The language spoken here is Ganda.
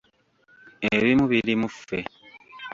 Ebimu biri mu ffe.